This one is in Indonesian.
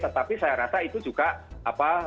tetapi saya rasa ini adalah aspek yang penting